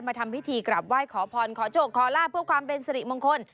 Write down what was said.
มาทำพิธีกลับไหว้ขอพรขอโจทย์ขอล่าพวกความเป็นสริมงคล